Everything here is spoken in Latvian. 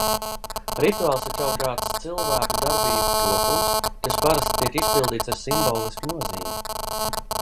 Rituāls ir kaut kāds cilvēku darbību kopums, kas parasti tiek izpildīts ar simbolisku nozīmi.